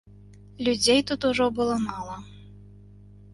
Людзей тут ужо было мала.